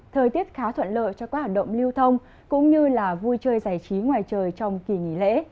thời tiết khá thuận lợi cho các hoạt động lưu thông cũng như là vui chơi giải trí ngoài trời trong kỳ nghỉ lễ